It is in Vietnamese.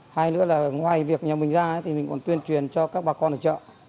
hai nữa là ngoài việc nhà mình ra thì mình còn tuyên truyền cho các bà con ở chợ